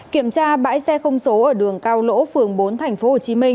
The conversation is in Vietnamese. kiểm tra bãi xe không số ở đường cao lỗ phường bốn tp hcm